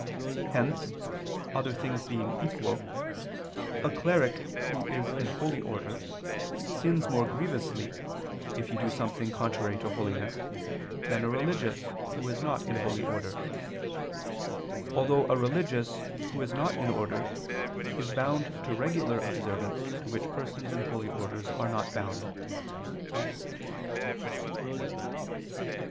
Hence, other things being equal, a cleric who is in holy orders, sins more grievously if he do something contrary to holiness than a religious who is not in holy orders: although a religious who is not in orders is bound to regular observance to which persons in holy orders are not bound.